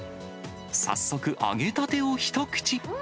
早速、揚げたてを一口。